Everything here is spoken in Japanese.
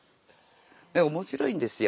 面白いんですよ